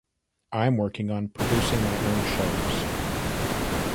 I'm working on producing my own shows.